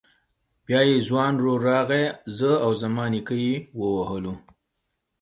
بيا يې ځوان ورور راغی زه او زما نيکه يې ووهلو.